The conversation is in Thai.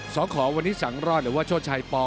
สขวันนี้สังรอดหรือว่าโชชัยป